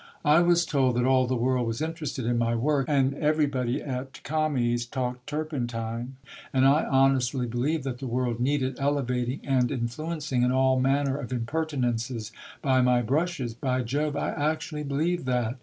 I was told that all the world was interested in my work, and everybody at Kami's talked turpentine, and I honestly believed that the world needed elevating and influencing, and all manner of impertinences, by my brushes. By Jove, I actually believed that!...